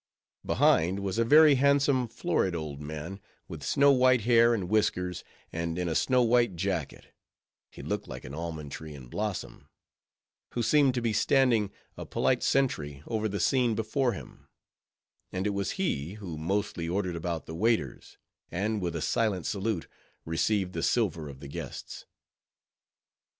Behind, was a very handsome florid old man, with snow white hair and whiskers, and in a snow white jacket—he looked like an almond tree in blossom—who seemed to be standing, a polite sentry over the scene before him; and it was he, who mostly ordered about the waiters; and with a silent salute, received the silver of the guests.